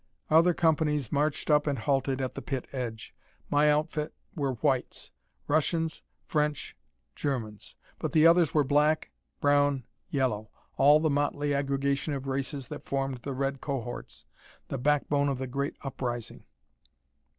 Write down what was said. Other companies marched up and halted at the pit edge. My outfit were whites Russians, French, Germans. But the others were black, brown, yellow all the motley aggregation of races that formed the Red cohorts, the backbone of the Great Uprising.